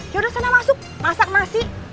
yaudah sana masuk masak nasi